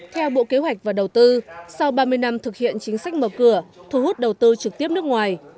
theo bộ kế hoạch và đầu tư sau ba mươi năm thực hiện chính sách mở cửa thu hút đầu tư trực tiếp nước ngoài